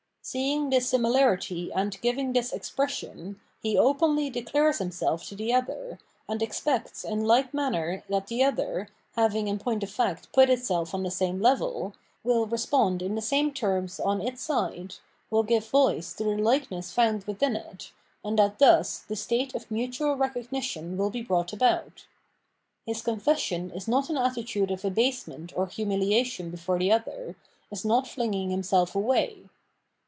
Seeing this similarity and giving this expression, he openly declares himself to the other, and expects in like manner that the other, ha\'ing in point of fact put itself on the same level, will respond in the same terms on its side, will give voice to the likeness found within it, and that thus the state of mutual recognition will be brought about. His confes sion is not an attitude of abasement or humiliation before the other, is not flinging himself away.